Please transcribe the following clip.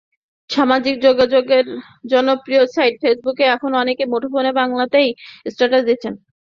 সামাজিক যোগাযোগের জনপ্রিয় সাইট ফেসবুকে এখন অনেকেই মুঠোফোনে বাংলাতেই স্ট্যাটাস দিচ্ছেন।